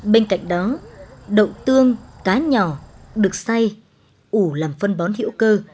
bên cạnh đó đậu tương cá nhỏ được xay ủ làm phân bón hiệu cơ